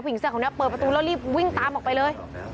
เสื้อคนนี้เปิดประตูแล้วรีบวิ่งตามออกไปเลย